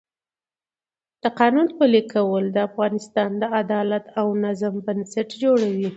د قانون پلي کول د افغانستان د عدالت او نظم بنسټ جوړوي